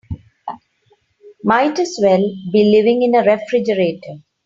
Might as well be living in a refrigerator.